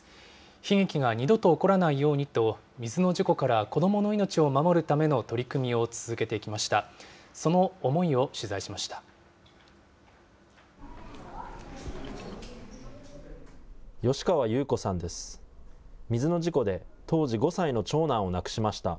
悲劇が二度と起こらないようにと、水の事故から子どもの命を守るための取り組みを続けてきました。